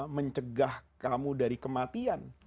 mencegah kamu dari kematian